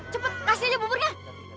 cepat kasih aja buburnya